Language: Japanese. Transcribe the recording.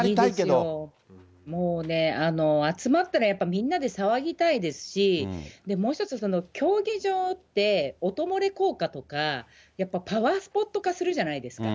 もうね、集まったらやっぱりみんなで騒ぎたいですし、もう一つ、競技場って音漏れ効果とか、やっぱりパワースポット化するじゃないですか。